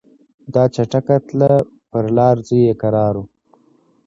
دا چټکه تله پر لار زوی یې کرار وو